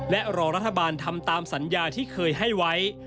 และรอรัฐบาลทำตามสัญญาที่เคยให้ไว้